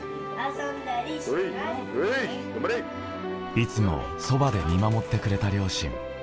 いつもそばで見守ってくれた両親。